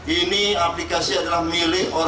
ini aplikasi adalah milik orang